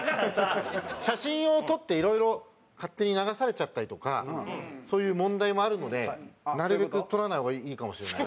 写真を撮っていろいろ勝手に流されちゃったりとかそういう問題もあるのでなるべく撮らない方がいいかもしれない。